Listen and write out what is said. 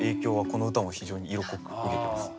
この歌も非常に色濃く受けてます。